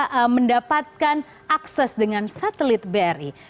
juga bisa mendapatkan akses dengan satelit bri